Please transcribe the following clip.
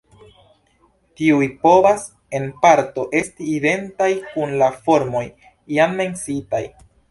Tiuj povas en parto esti identaj kun la formoj jam menciitaj.